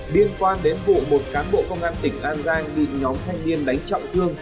liên quan đến vụ một cán bộ công an tỉnh an giang bị nhóm thanh niên đánh trọng thương